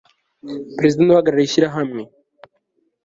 perezida niwe uhagararira ishyirahamwe